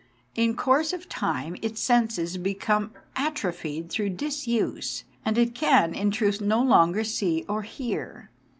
In course of time its senses become atrophied through disuse, and it can, in truth, no longer see or hear.